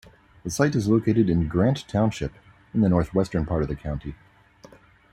The site is located in Grant Township, in the northwestern part of the county.